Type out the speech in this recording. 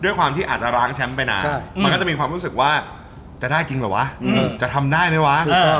ด้วยความที่อาจจะร้างแชมป์ไปนานมันก็จะมีความรู้สึกว่าจะได้จริงเหรอวะจะทำได้ไหมวะ